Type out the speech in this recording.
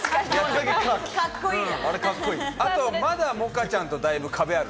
あとまだ萌歌ちゃんとだいぶ壁がある。